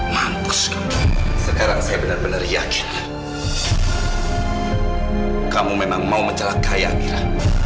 mampus sekarang saya benar benar yakin kamu memang mau menjelak kaya amira